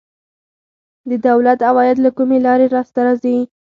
د دولت عواید له کومې لارې لاسته راځي؟